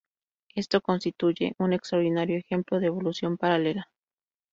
Esto constituye un extraordinario ejemplo de evolución paralela.